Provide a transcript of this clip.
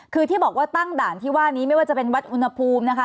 คือที่บอกว่าตั้งด่านที่ว่านี้ไม่ว่าจะเป็นวัดอุณหภูมินะคะ